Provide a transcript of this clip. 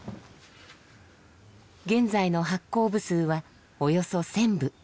現在の発行部数はおよそ１，０００部。